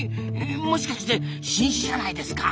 もしかして新種じゃないですか？